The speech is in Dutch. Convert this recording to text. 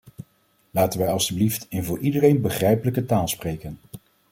Laten wij alstublieft in voor iedereen begrijpelijke taal spreken.